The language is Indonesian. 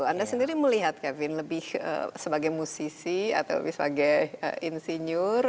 anda sendiri melihat kevin lebih sebagai musisi atau lebih sebagai insinyur